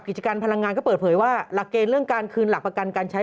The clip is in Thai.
กิจการพลังงานก็เปิดเผยว่าหลักเกณฑ์เรื่องการคืนหลักประกันการใช้